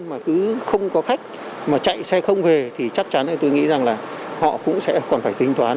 nếu mà lên mà cứ không có khách mà chạy xe không về thì chắc chắn là tôi nghĩ rằng là họ cũng sẽ còn phải tính toán